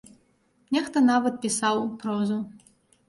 Нехта нават пісаў прозу.